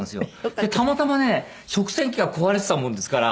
でたまたまね食洗機が壊れてたもんですから。